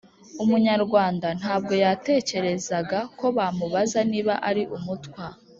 umunyarwanda ntabwo yatekerezaga ko bamubaza niba ari Umutwa,